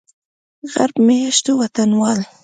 غرب میشتو وطنوالو